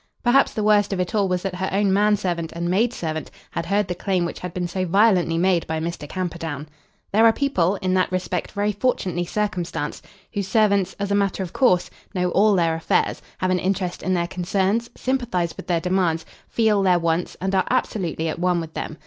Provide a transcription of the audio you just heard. Perhaps the worst of it all was that her own man servant and maid servant had heard the claim which had been so violently made by Mr. Camperdown. There are people, in that respect very fortunately circumstanced, whose servants, as a matter of course, know all their affairs, have an interest in their concerns, sympathise with their demands, feel their wants, and are absolutely at one with them.